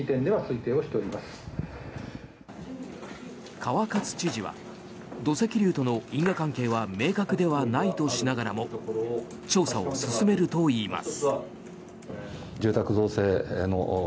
川勝知事は土石流との因果関係は明確ではないとしながらも調査を進めるといいます。